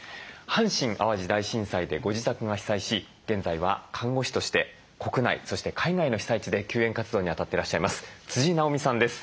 阪神・淡路大震災でご自宅が被災し現在は看護師として国内そして海外の被災地で救援活動にあたってらっしゃいます直美さんです。